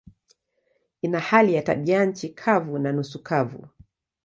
Ina hali ya tabianchi kavu na nusu kavu.